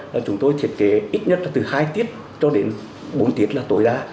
là chúng tôi thiết kế ít nhất là từ hai tiết cho đến bốn tiết là tối đa